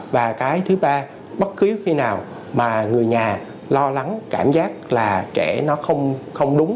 và cái thứ ba bất cứ khi nào mà người nhà lo lắng cảm giác là trẻ nó không đúng